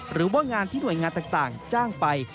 หรือว่างานที่หน่วยงานต่างจ้างไป